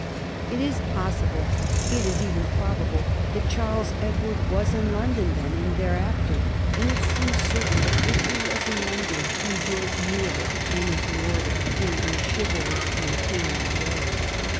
It is possible, it is even probable, that Charles Edward was in London then and thereafter, and it seems certain that if he was in London King George knew of it and ignored it in a chivalrous and kingly way.